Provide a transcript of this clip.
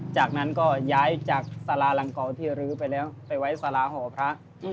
จากนั้นก็ย้ายจากสารารังเก่าที่รื้อไปแล้วไปไว้สาราหอพระ